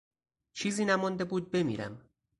چیزی نمانده بود بمیرم.